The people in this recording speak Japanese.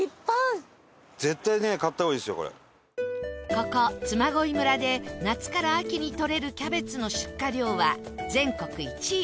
ここ嬬恋村で夏から秋にとれるキャベツの出荷量は全国１位